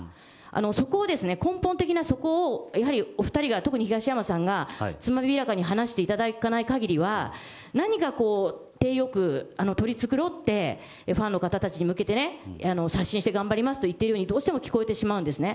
そこを根本的なそこをやはりお２人が、特に東山さんが、つまびらかに話していただかないかぎりは、何かこう、体よく取り繕って、ファンの方たちに向けてね、刷新して頑張りますと言っているようにどうしても聞こえてしまうんですね。